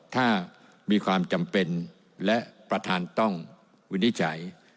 ถ้ามีความจำเป็นและประธานต้องวินิจฉัย